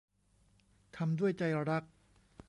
ทำด้วยใจรัก